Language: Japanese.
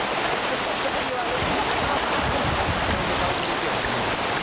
泰造バイク好きやからいいんじゃないの？